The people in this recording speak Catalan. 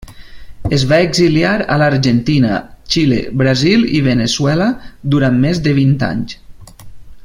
Es va exiliar a l'Argentina, Xile, Brasil i Veneçuela durant més de vint anys.